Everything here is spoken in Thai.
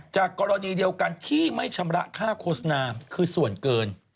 กรณีเดียวกันที่ไม่ชำระค่าโฆษณาคือส่วนเกิน